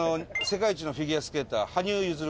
世界一のフィギュアスケーター羽生結弦